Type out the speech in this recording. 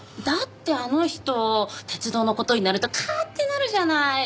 だってあの人鉄道の事になるとカーッてなるじゃない。